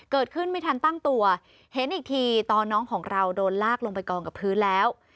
เกิดขึ้นไม่ทันตั้งตัวเห็นอีกทีตอนน้องของเราโดนลากลงไปกองกับพื้นแล้ว